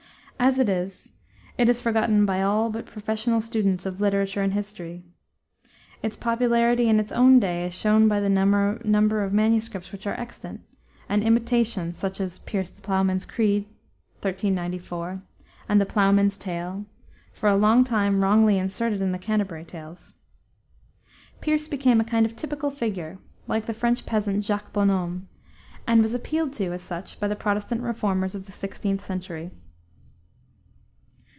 As it is, it is forgotten by all but professional students of literature and history. Its popularity in its own day is shown by the number of MSS. which are extant, and by imitations, such as Piers the Plowman's Crede (1394), and the Plowman's Tale, for a long time wrongly inserted in the Canterbury Tales. Piers became a kind of typical figure, like the French peasant, Jacques Bonhomme, and was appealed to as such by the Protestant reformers of the 16th century.